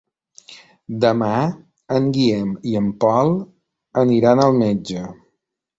Demà en Guillem i en Pol iran al metge.